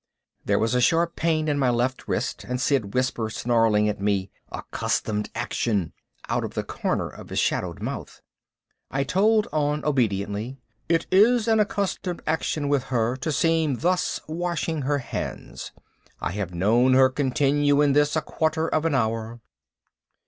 There was a sharp pain in my left wrist and Sid whisper snarling at me, "Accustomed action!" out of the corner of his shadowed mouth. I tolled on obediently, "It is an accustomed action with her, to seem thus washing her hands: I have known her continue in this a quarter of an hour."